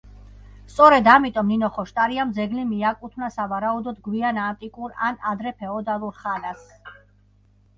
სწორედ ამიტომ ნინო ხოშტარიამ ძეგლი მიეკუთვნა სავარაუდოდ გვიან ანტიკურ ან ადრე ფეოდალურ ხანას.